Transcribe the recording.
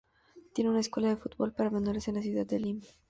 Tiene una escuela de fútbol para menores en la ciudad de Lima.